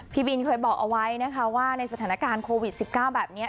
พี่บินเคยบอกเอาไว้นะคะว่าในสถานการณ์โควิด๑๙แบบนี้